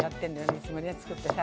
いつもね作ってさ。